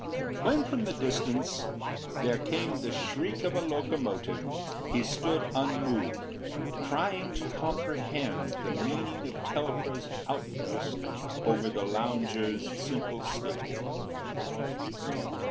When from the distance there came the shriek of a locomotive, he stood unmoved, trying to comprehend the meaning of Telfer’s outburst over the lounger’s simple statement.